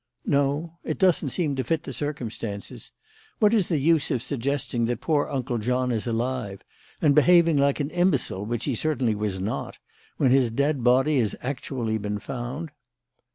"No. It doesn't seem to fit the circumstances. What is the use of suggesting that poor Uncle John is alive and behaving like an imbecile, which he certainly was not when his dead body has actually been found?"